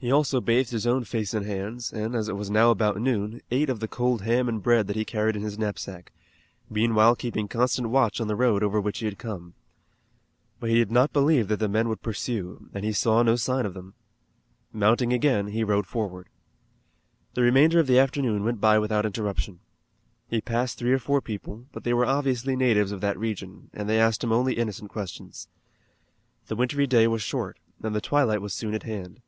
He also bathed his own face and hands and, as it was now about noon, ate of the cold ham and bread that he carried in his knapsack, meanwhile keeping constant watch on the road over which he had come. But he did not believe that the men would pursue, and he saw no sign of them. Mounting again he rode forward. The remainder of the afternoon went by without interruption. He passed three or four people, but they were obviously natives of that region, and they asked him only innocent questions. The wintry day was short, and the twilight was soon at hand.